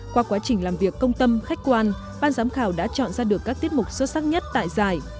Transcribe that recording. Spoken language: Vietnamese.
qua quá trình làm việc công tâm khách quan ban giám khảo đã chọn ra được các tiết mục xuất sắc nhất tại giải